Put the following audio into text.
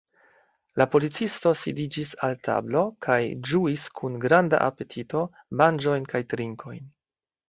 La policisto sidiĝis al tablo kaj ĝuis kun granda apetito manĝojn kaj trinkojn.